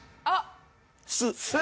あっ！